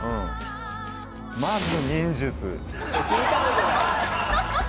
まず忍術」。